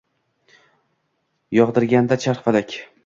Yog’dirganda charx-falak